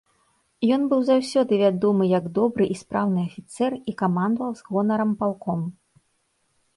Ён быў заўсёды вядомы як добры і спраўны афіцэр і камандаваў з гонарам палком.